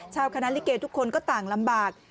คณะลิเกทุกคนก็ต่างลำบาก